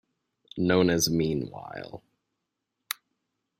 Known as Mean While!